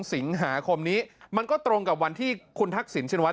สิงหาคมนี้มันก็ตรงกับวันที่คุณทักษิณชินวัฒ